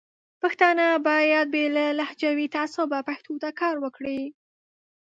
پښتانه باید بې له لهجوي تعصبه پښتو ته کار وکړي.